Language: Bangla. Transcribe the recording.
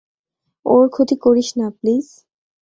ওর ক্ষতি করিস না, প্লিজ!